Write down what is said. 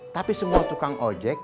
tapi semua tukang ojek